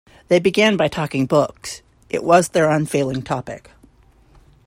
They began by talking books: it was their unfailing topic.